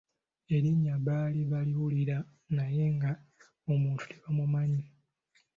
Erinnya baali baliwulira naye nga omuntu tebamumanyi.